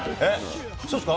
そうですか？